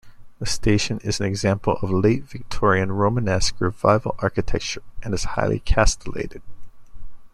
The station is an example of late-Victorian Romanesque Revival architecture and is highly castellated.